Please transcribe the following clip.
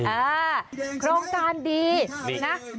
เออโครงการดีนะ